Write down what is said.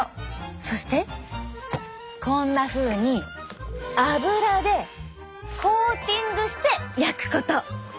そしてこんなふうに油でコーティングして焼くこと。